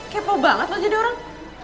kepo banget loh jadi orang